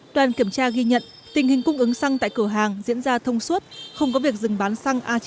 toàn kiểm tra ghi nhận tình hình cung ứng xăng tại cửa hàng diễn ra thông suốt không có việc dừng bán xăng a chín mươi năm